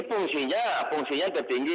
fungsinya fungsinya tertinggi